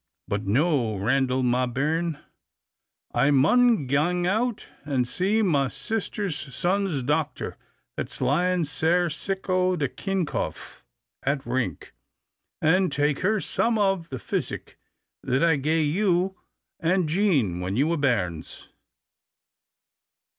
But noo, Randal, ma bairn, I maun gang out and see ma sister's son's dochter, that's lying sair sick o' the kincough* at Rink, and take her some of the physic that I gae you and Jean when you were bairns."